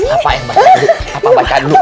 apa yang baca dulu